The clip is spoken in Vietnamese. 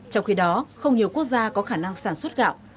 trong khi đó không nhiều quốc gia có khả năng sản xuất gạo